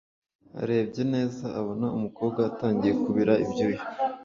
arebye neza abona umukobwa atangiye kubira ibyuya